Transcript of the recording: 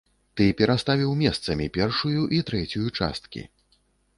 Ты пераставіў месцамі першую і трэцюю часткі.